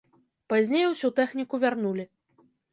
Пазней усю тэхніку вярнулі.